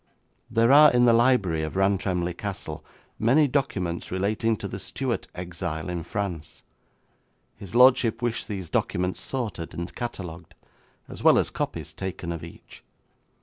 There are in the library of Rantremly Castle many documents relating to the Stuart exile in France. His lordship wished these documents sorted and catalogued, as well as copies taken of each.